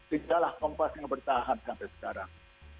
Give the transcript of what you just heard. tidaklah kompas yang bertahan sampai sekarang